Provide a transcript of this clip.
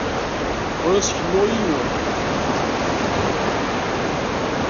Ur as-kennu i yiwen.